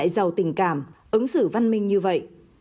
hãy giao tình cảm ứng xử văn minh như vậy